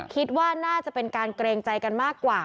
คิดว่าน่าจะเป็นการเกรงใจกันมากกว่า